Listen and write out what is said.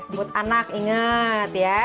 sejumput anak inget ya